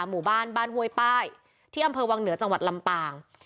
หมู่บ้านบ้านห้วยป้ายที่อำเภอวังเหนือจังหวัดลำปาง